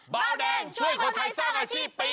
เบาแดงช่วยคนไทยสร้างอาชีพปี๒